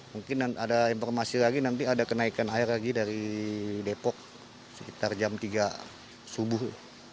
mungkin ada informasi lagi nanti ada kenaikan air lagi dari depok sekitar jam tiga subuh